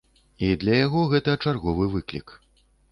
І для яго гэта чарговы выклік.